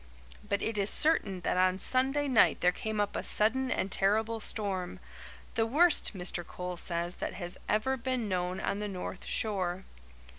But it is certain that on Sunday night there came up a sudden and terrible storm the worst, Mr. Coles says, that has ever been known on the north shore.